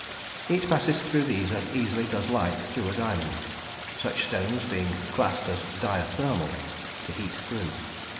Heat passes through these as easily as does light through a diamond, such stones being classed as diathermal (to heat through).